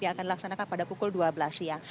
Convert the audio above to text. yang akan dilaksanakan pada pukul dua belas siang